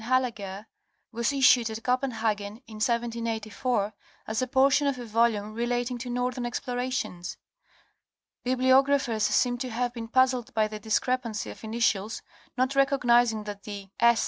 Hallager, was issued at Copenhagen in 1784, as a portion of a volume | relating to northern explorations. Bibliographers seem to have been puzzled by the discrepancy of initials, not recognizing that the 8S.